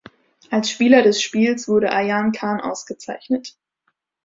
Als Spieler des Spiels wurde Ayaan Khan ausgezeichnet.